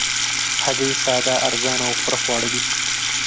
هګۍ ساده، ارزانه او پوره خواړه دي